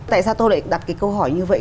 tại sao tôi lại đặt cái câu hỏi như vậy